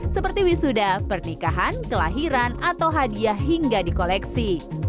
seperti wisuda pernikahan kelahiran atau hadiah hingga di koleksi